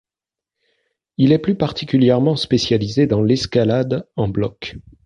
Il est plus particulièrement spécialisé dans l'escalade en bloc.